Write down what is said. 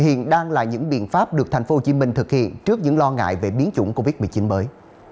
hiện đang là những biện pháp được thành phố hồ chí minh thực hiện trước những lo ngại về biến chủng covid một mươi chín mới